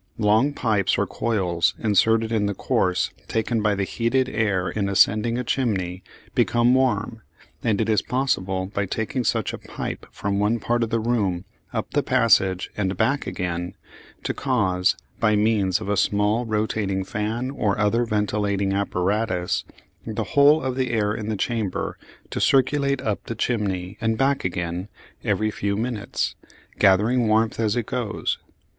Long pipes or coils inserted in the course taken by the heated air in ascending a chimney become warm, and it is possible, by taking such a pipe from one part of the room up the passage and back again, to cause, by means of a small rotating fan or other ventilating apparatus, the whole of the air in the chamber to circulate up the chimney and back again every few minutes, gathering warmth as it goes.